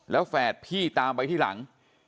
แล้วแฝดพี่ตามไปที่หลัง